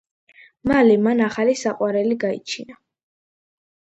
მალე მან ახალი საყვარელი გაიჩინა.